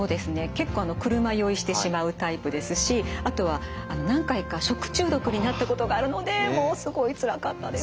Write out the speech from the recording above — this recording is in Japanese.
結構車酔いしてしまうタイプですしあとは何回か食中毒になったことがあるのでもうすごいつらかったです。